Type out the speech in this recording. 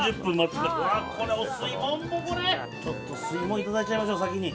ちょっと吸い物いただいちゃいましょう先に。